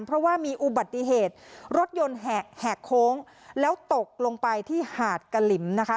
เพราะว่ามีอุบัติเหตุรถยนต์แหกโค้งแล้วตกลงไปที่หาดกะหลิมนะคะ